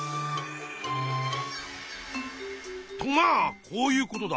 とまあこういうことだ。